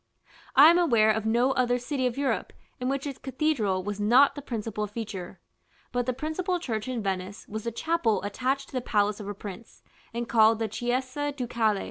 I am aware of no other city of Europe in which its cathedral was not the principal feature. But the principal church in Venice was the chapel attached to the palace of her prince, and called the "Chiesa Ducale."